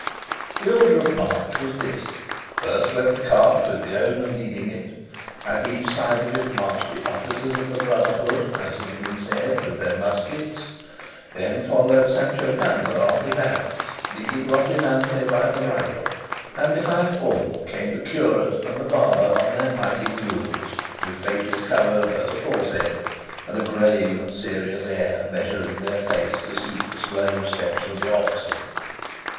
The order of march was this: first went the cart with the owner leading it; at each side of it marched the officers of the Brotherhood, as has been said, with their muskets; then followed Sancho Panza on his ass, leading Rocinante by the bridle; and behind all came the curate and the barber on their mighty mules, with faces covered, as aforesaid, and a grave and serious air, measuring their pace to suit the slow steps of the oxen.